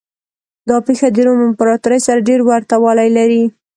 دا پېښه د روم امپراتورۍ سره ډېر ورته والی لري.